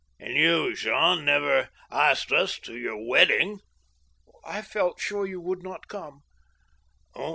And you too, Jean, never asked us to your wedding." " I felt sure you would not come."